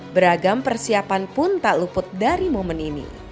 beragam persiapan pun tak luput dari momen ini